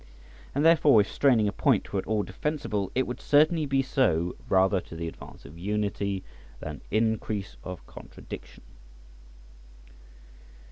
And therefore, if straining a point were at all defensible, it would certainly be so rather to the advance of unity than increase of contradiction.